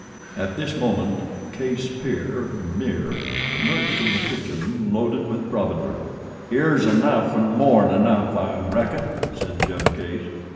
At this moment Case pere and mere emerged from the kitchen loaded with provender. "Here's enough an' more'n enough, I reckon," said Jeb Case.